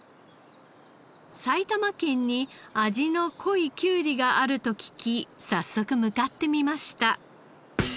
埼玉県に味の濃いきゅうりがあると聞き早速向かってみました。